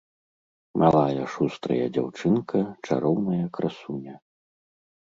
Малая шустрая дзяўчынка, чароўная красуня.